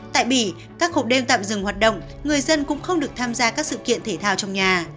tại bỉ các hộp đêm tạm dừng hoạt động người dân cũng không được tham gia các sự kiện thể thao trong nhà